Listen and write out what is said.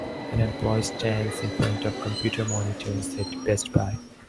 An employee stands in front of computer monitors at Best Buy.